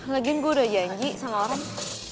lagiin gue udah janji sama orang